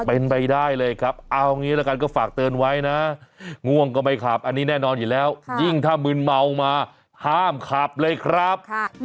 เป็นไปได้เลยครับเอางี้ละกันก็ฝากเตือนไว้นะง่วงก็ไม่ขับอันนี้แน่นอนอยู่แล้วยิ่งถ้ามืนเมามาห้ามขับเลยครับ